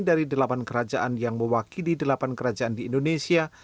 dari delapan kerajaan yang mewakili delapan kerajaan di indonesia